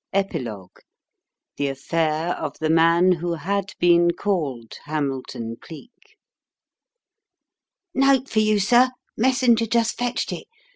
EPILOGUE THE AFFAIR OF THE MAN WHO HAD BEEN CALLED HAMILTON CLEEK "Note for you, sir messenger just fetched it.